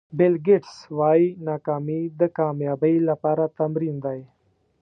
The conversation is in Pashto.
بیل ګېټس وایي ناکامي د کامیابۍ لپاره تمرین دی.